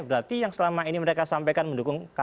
berarti yang selama ini mereka sampaikan mendukung kpk